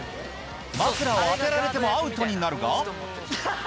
枕を当てられてもアウトになるが。